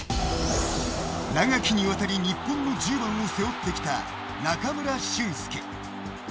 長きに渡り日本の１０番を背負ってきた中村俊輔。